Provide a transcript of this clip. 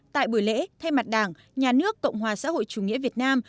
tại buổi lễ thay mặt đảng nhà nước cộng hòa xã hội chủ nghĩa việt nam